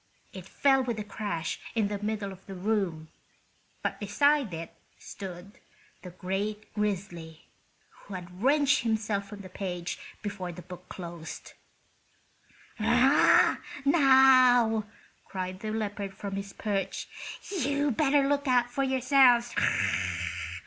It fell with a crash in the middle of the room, but beside it stood the great grizzly, who had wrenched himself from the page before the book closed. "Now," cried the leopard from his perch, "you'd better look out for yourselves!